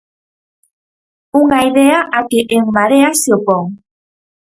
Unha idea á que En Marea se opón.